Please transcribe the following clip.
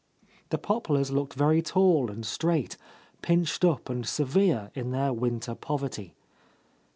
The pop lars looked very tall and straight, pinched up and severe in their winter poverty.